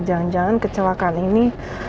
jangan jangan kecelakaan ini